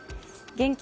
現金